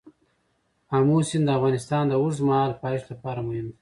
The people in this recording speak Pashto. آمو سیند د افغانستان د اوږدمهاله پایښت لپاره مهم دی.